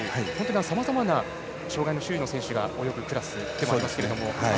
さまざまな障がいの種類の選手が泳ぐクラスでもありますが。